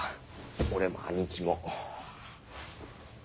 俺も兄貴も。